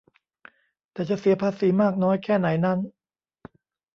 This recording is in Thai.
แต่จะเสียภาษีมากน้อยแค่ไหนนั้น